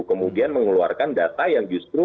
kemudian mengeluarkan data yang justru